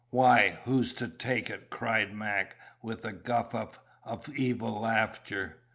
"Why, who's to take it?" cried Mac, with a guffaw of evil laughter.